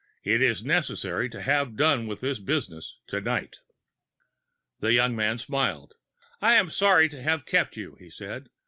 "It is necessary to have done with this business to night." The young man smiled. "I am sorry to have kept you," he said.